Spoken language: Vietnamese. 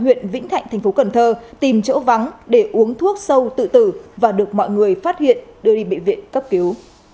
châu đã đi đến vĩnh thạnh thành phố cần thơ tìm chỗ vắng để uống thuốc sâu tự tử và được mọi người phát hiện đưa đi bệnh viện cấp cứu